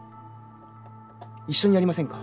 一緒にやりませんか？